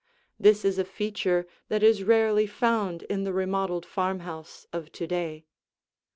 This is a feature that is rarely found in the remodeled farmhouse of to day.